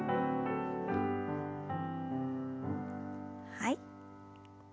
はい。